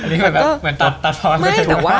อันนี้เหมือนตัดตัดพอ